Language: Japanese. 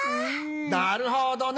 なるほどね！